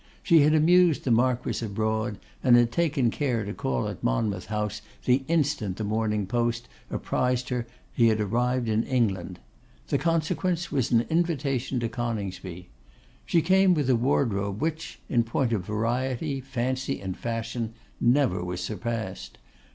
She had amused the Marquess abroad, and had taken care to call at Monmouth House the instant the Morning Post apprised her he had arrived in England; the consequence was an invitation to Coningsby. She came with a wardrobe which, in point of variety, fancy, and fashion, never was surpassed.